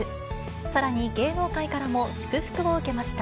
さらに、芸能界からも祝福を受けました。